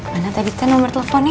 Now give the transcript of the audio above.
mana tadi tuh nomer teleponnya